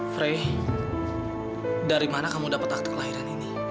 frey dari mana kamu dapat akte kelahiran ini